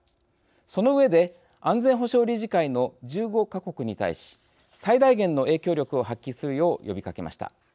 その上で安全保障理事会の１５か国に対し最大限の影響力を発揮するよう呼びかけました。